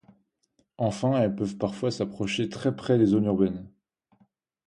Enfin, elles peuvent parfois s’approcher très près des zones urbaines.